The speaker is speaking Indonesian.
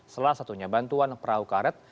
salah satunya bantuan perahu karet